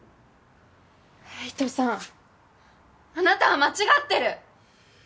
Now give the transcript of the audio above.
エイトさんあなたは間違ってる！